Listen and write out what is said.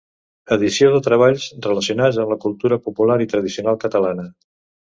Edició de treballs relacionats amb la cultura popular i tradicional catalana.